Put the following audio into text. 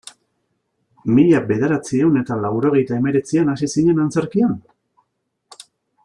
Mila bederatziehun eta laurogeita hemeretzian hasi zinen antzerkian?